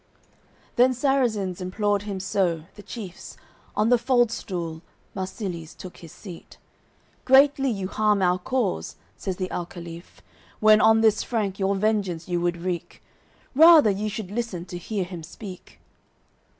XXXV Then Sarrazins implored him so, the chiefs, On the faldstoel Marsillies took his seat. "Greatly you harm our cause," says the alcaliph: "When on this Frank your vengeance you would wreak; Rather you should listen to hear him speak."